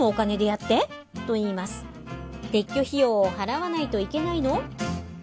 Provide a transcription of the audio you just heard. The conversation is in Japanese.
撤去費用を払わないといけないの？